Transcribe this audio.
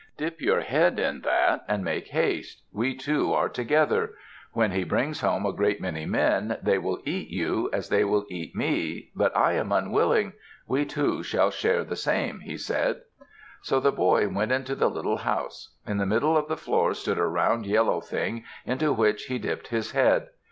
Dip your head in that and make haste we two are together. When he brings home a great many men, they will eat you, as they will eat me, but I am unwilling we two shall share the same," he said. So the boy went into the little house. In the middle of the floor stood a round yellow thing into which he dipped his head.